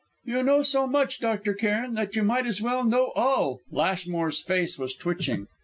"You know so much, Dr. Cairn, that you may as well know all." Lashmore's face was twitching.